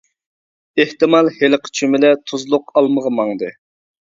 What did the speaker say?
ئېھتىمال ھېلىقى چۈمۈلە تۇزلۇق ئالمىغا ماڭدى.